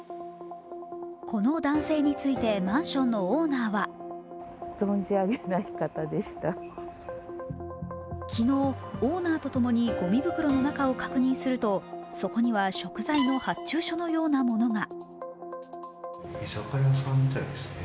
この男性についてマンションのオーナーは昨日、オーナーとともにごみ袋の中を確認するとそこには食材の発注書のようなものが。